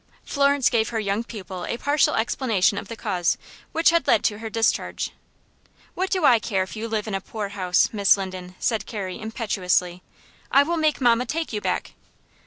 Florence gave her young pupil a partial explanation of the cause which had led to her discharge. "What do I care if you live in a poor house, Miss Linden?" said Carrie, impetuously. "I will make mamma take you back!"